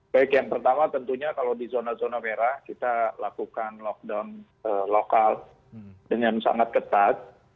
baik yang pertama tentunya kalau di zona zona merah kita lakukan lockdown lokal dengan sangat ketat